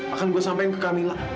akan gue sampein ke kamila